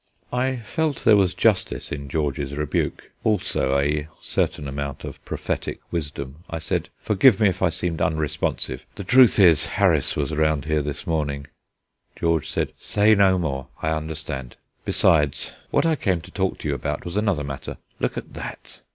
I felt there was justice in George's rebuke also a certain amount of prophetic wisdom. I said: "Forgive me if I seemed unresponsive. The truth is, Harris was round here this morning " George said: "Say no more; I understand. Besides, what I came to talk to you about was another matter. Look at that."